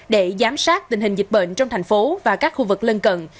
để giám sát tình hình dịch bệnh trong thành phố và các khu vực lân cận